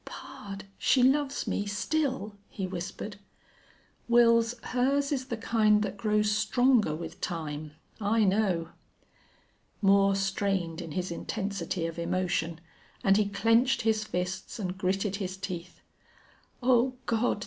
"Pard! She loves me still?" he whispered. "Wils, hers is the kind that grows stronger with time. I know." Moore strained in his intensity of emotion, and he clenched his fists and gritted his teeth. "Oh God!